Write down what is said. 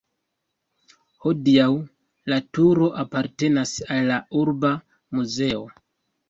Hodiaŭ la turo apartenas al la urba muzeo.